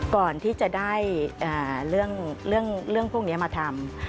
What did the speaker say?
ก่อนที่จะได้เรื่องพวกนี้มาทำ